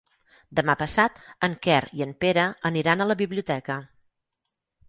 Demà passat en Quer i en Pere aniran a la biblioteca.